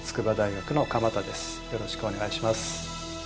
よろしくお願いします。